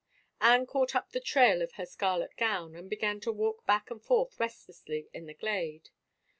Anne caught up the trail of her scarlet gown and began to walk back and forth restlessly in the glade.